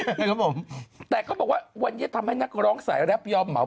นะครับผมแต่เขาบอกว่าวันนี้ทำให้นักร้องสายแรปยอมเหมา